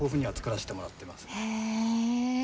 へえ。